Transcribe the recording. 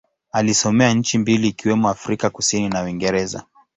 Alisomea nchi mbili ikiwemo Afrika Kusini na Uingereza.